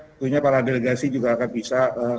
tentunya para delegasi juga akan bisa